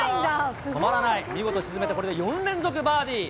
止まらない、見事沈めて、これで４連続バーディー。